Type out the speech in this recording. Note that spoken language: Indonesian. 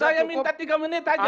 saya minta tiga menit aja